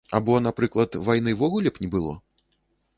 Або, напрыклад, вайны ўвогуле б не было?